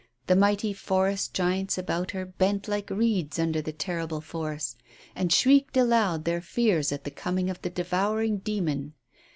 The mighty forest giants about her bent like reeds under the terrible force, and shrieked aloud their fears at the coming of the devouring demon.